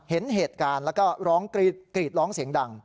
เห็นเหตุการณ์แล้วก็ร้องกรีดร้องเสียงดัง